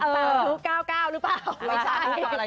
ตาถู้เก้าหรือเปล่า